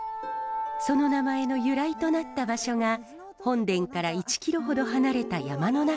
その名前の由来となった場所が本殿から１キロほど離れた山の中にあります。